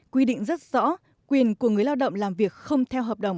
quy định rất rõ quyền của người lao động làm việc không theo hợp đồng